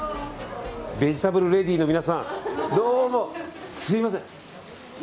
ベジタブルレディーの皆さんどうも、すみません。